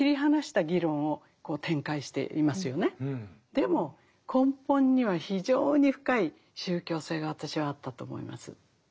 でも根本には非常に深い宗教性が私はあったと思います。